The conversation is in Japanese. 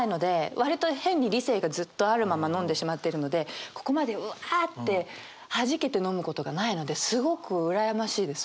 割と変に理性がずっとあるまま飲んでしまってるのでここまでうわってはじけて飲むことがないのですごく羨ましいです。